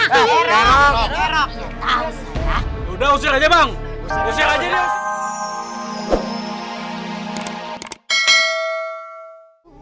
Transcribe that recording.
udah usir aja bang